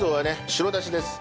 白だしです。